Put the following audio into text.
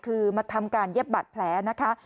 คือมาทำการเย็บบัตรแผลนะคะ